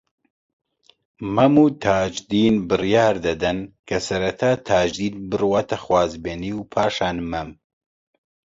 مەم و تاجدین بڕیار دەدەن کە سەرەتا تاجدین بڕواتە خوازبێنیی و پاشان مەم